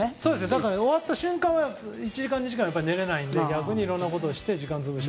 だから、終わった瞬間から１時間、２時間はなかなか寝られないので逆にいろんなことをして時間を潰す。